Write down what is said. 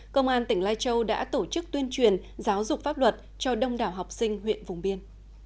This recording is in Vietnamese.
công an tỉnh lai châu đã tổ chức tuyên truyền giáo dục pháp luật cho đông đảo học sinh huyện vùng biên